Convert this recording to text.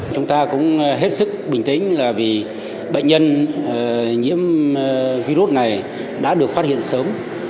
chúng ta cũng hết sức bình tĩnh là vì bệnh nhân nhiễm virus này đã được phát hiện sớm